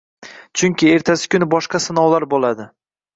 Chunki ertasi kuni boshqa sinovlar bo'ladi